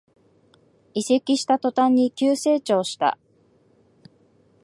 移籍した途端に急成長した